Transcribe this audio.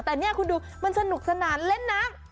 แต่นี่คุณดูมันสนุกสนานเล่นน้ำ